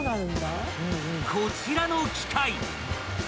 ［こちらの機械］